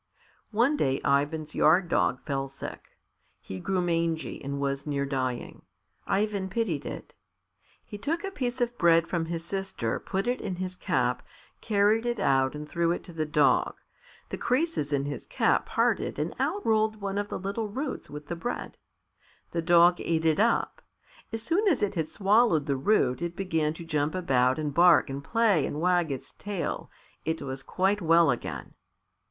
One day Ivan's yard dog fell sick. He grew mangy, and was near dying. Ivan pitied it. He took a piece of bread from his sister, put it in his cap, carried it out and threw it to the dog. The creases in his cap parted and out rolled one of the little roots with the bread. The dog ate it up. As soon as it had swallowed the root it began to jump about and bark and play and wag its tail. It was quite well again.